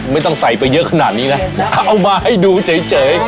ไม่ต้องใส่ไปเยอะขนาดนี้นะเอามาให้ดูเฉย